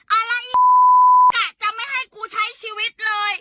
เอาละไอ้จะไม่ให้กูใช้ชีวิตเลย